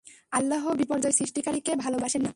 আল্লাহ্ বিপর্যয় সৃষ্টিকারীকে ভালবাসেন না।